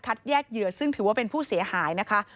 แยกเหยื่อซึ่งถือว่าเป็นผู้เสียหายนะคะ